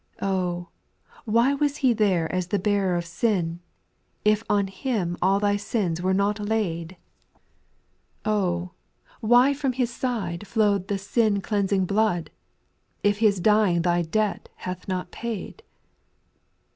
2. Oh I why was He there as the bearer of sin, If on Him all thy sins were not 1«lUI\ 884 SPIRITUAL SONOS. Oh I why from His side flowed the siii cleanf' ing blood, If His dying thy debt hath not paid